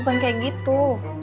bukan kayak gitu